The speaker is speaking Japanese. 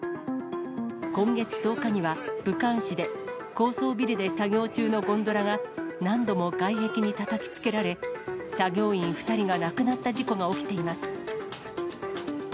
今月１０日には、武漢市で、高層ビルで作業中のゴンドラが、何度も外壁にたたきつけられ、作業員２人が亡くなった事故が起きています。